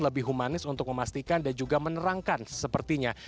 lebih humanis untuk memastikan dan juga menerangkan sepertinya